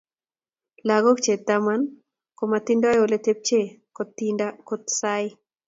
Logok che tam komatindo oletepche kotinda kot saa ii.